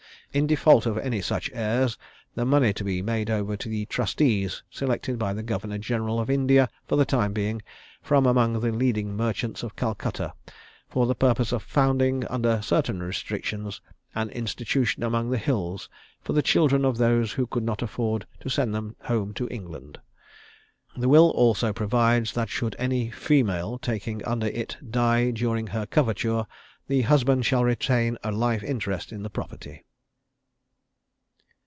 In default of any such heirs, the money to be made over to trustees selected by the Governor General of India for the time being, from among the leading merchants of Calcutta, for the purpose of founding, under certain restrictions, an institution among the hills for the children of those who could not afford to send them home to England." The will also provides that should any female taking under it die during her coverture, the husband shall retain a life interest in the property.